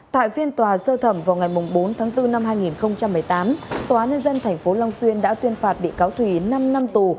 tại phiên tòa sơ thẩm vào ngày bốn tháng bốn năm hai nghìn một mươi tám tòa nhân dân tp long xuyên đã tuyên phạt bị cáo thùy năm năm tù